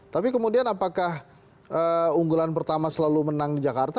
tapi kemudian apakah unggulan pertama selalu menang di jakarta